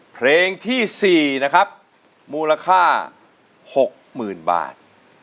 เพลงที่สี่นะครับมูลค่าหกมือนบาท